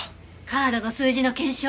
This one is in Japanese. カードの数字の検証